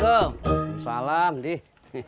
assalamualaikum salam dih